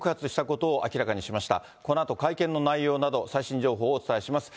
このあと会見の内容など、最新情報をお伝えします。